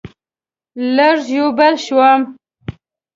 لږ ژوبل شوم